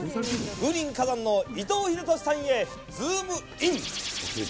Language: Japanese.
風林火山の伊藤英敏さんへズズームイン！！